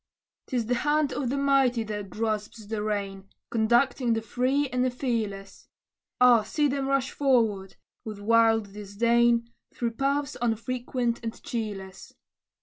'Tis the hand of the mighty that grasps the rein, Conducting the free and the fearless. Ah! see them rush forward, with wild disdain, Through paths unfrequented and cheerless.